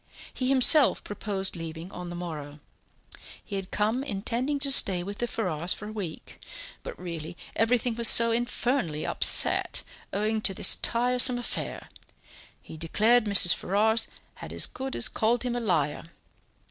He himself proposed leaving on the morrow; he had come intending to stay with the Ferrars for a week, but really everything was so infernally upset, owning to this tiresome affair he declared Mrs. Ferrars had as good as called him a liar!